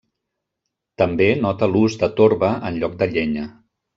També nota l'ús de torba en lloc de llenya.